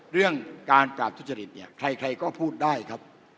เรื่องการปราบทุจริตเนี่ยใครก็พูดได้ครับ